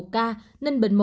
một ca ninh bình